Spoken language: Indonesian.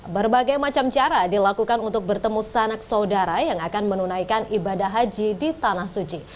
berbagai macam cara dilakukan untuk bertemu sanak saudara yang akan menunaikan ibadah haji di tanah suci